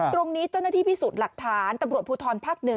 เจ้าหน้าที่พิสูจน์หลักฐานตำรวจภูทรภาค๑